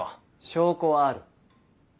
証拠はある。